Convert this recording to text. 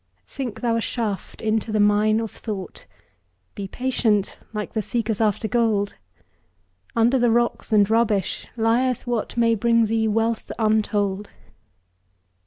Sink thou a shaft into the mine of thought; Be patient, like the seekers after gold; Under the rocks and rubbish lieth what May bring thee wealth untold.